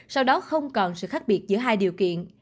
sau đó không còn sự khác biệt giữa hai điều kiện